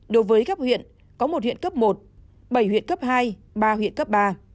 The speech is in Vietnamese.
đối với cấp huyện có một huyện cấp một bảy huyện cấp hai ba huyện cấp ba